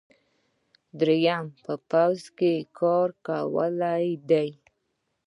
دریم په پوځ کې کار کول دي.